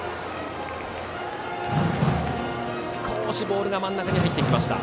少しボールが真ん中に入ってきました。